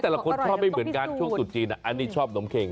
แต่ละคนชอบไม่เหมือนกันช่วงตุดจีนอันนี้ชอบนมเข็ง